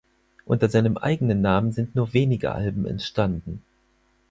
Unter seinem eigenen Namen sind nur wenige Alben entstanden.